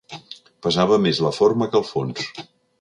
Pesava més la forma que el fons.